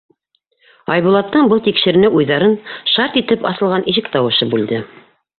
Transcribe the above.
Айбулаттың был тикшеренеү уйҙарын шарт итеп асылған ишек тауышы бүлде.